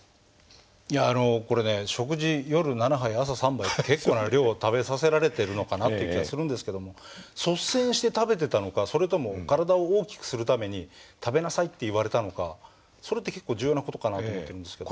いやあのこれね食事夜７杯朝３杯って結構な量を食べさせられてるのかなという気がするんですけども率先して食べてたのかそれとも体を大きくするために食べなさいって言われたのかそれって結構重要な事かなと思ってるんですけど。